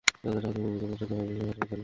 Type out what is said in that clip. তাদের আহত কর্মীদের পাঠাতে হবে সেই হাসপাতালে।